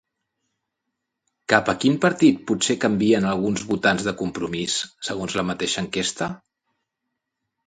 Cap a quin partit potser canvien alguns votants de Compromís, segons la mateixa enquesta?